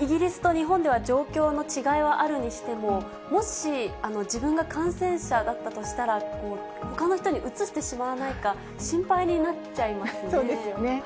イギリスと日本では状況の違いはあるにしても、もし自分が感染者だったとしたら、ほかの人にうつしてしまわないか、心配になっちゃいますね。